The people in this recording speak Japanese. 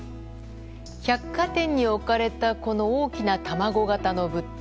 百貨店に置かれたこの大きな卵形の物体。